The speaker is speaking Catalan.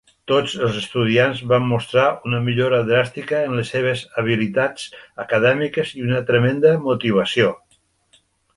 Tots els estudiants van mostrar una millora dràstica en les seves habilitats acadèmiques i una tremenda motivació.